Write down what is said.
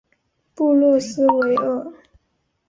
布洛斯维尔。